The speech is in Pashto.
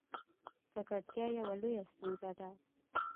ککړتیا یوه لویه ستونزه ده.